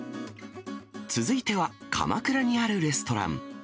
続いては、鎌倉にあるレストラン。